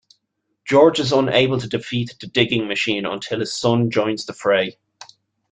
George is unable to defeat the digging machine until his son joins the fray.